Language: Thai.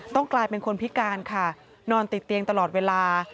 กลายเป็นคนพิการค่ะนอนติดเตียงตลอดเวลา